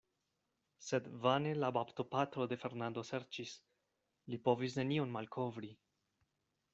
Sed vane la baptopatro de Fernando serĉis; li povis nenion malkovri.